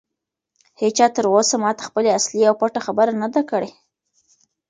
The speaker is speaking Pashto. هیچا تر اوسه ماته خپله اصلي او پټه خبره نه ده کړې.